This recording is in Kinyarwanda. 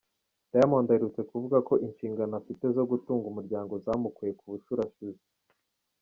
Diamond aherutse kuvuga ko inshingano afite zo gutunga umuryango zamukuye mu bushurashuzi